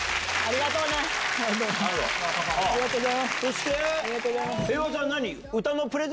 ありがとうございます！